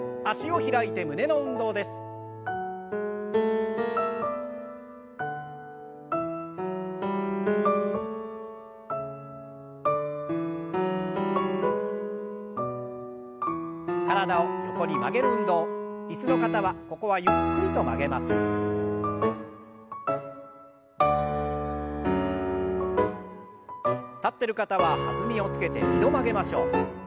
立ってる方は弾みをつけて２度曲げましょう。